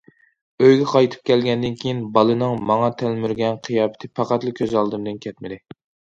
ئۆيگە قايتىپ كەلگەندىن كېيىن، بالىنىڭ ماڭا تەلمۈرگەن قىياپىتى پەقەتلا كۆز ئالدىمدىن كەتمىدى.